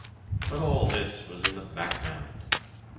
But all this was in the background.